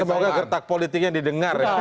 semoga gertak politiknya didengar ya